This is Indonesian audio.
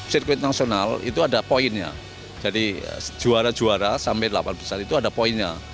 sirkuit nasional itu ada poinnya jadi juara juara sampai delapan besar itu ada poinnya